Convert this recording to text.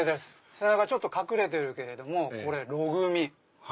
背中ちょっと隠れてるけどもこれろ組。